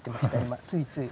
今ついつい。